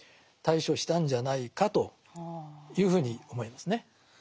対処したんじゃないかというふうに思いますね。